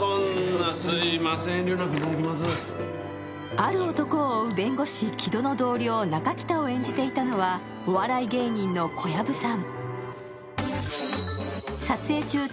ある男を追う、城戸の同僚中北を演じていたのはお笑い芸人の小籔さん。